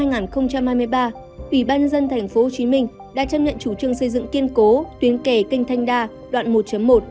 ủy ban nhân dân tp hcm đã chấp nhận chủ trương xây dựng kiên cố tuyến kè kênh thanh đa đoạn một một